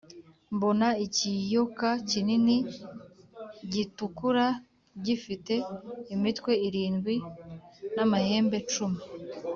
mbona ikiyoka kinini gitukura gifite imitwe irindwi n’amahembe cumi,